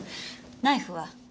ナイフは？